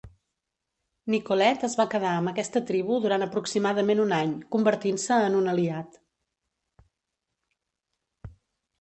Nicolet es va quedar amb aquesta tribu durant aproximadament un any, convertint-se en un aliat.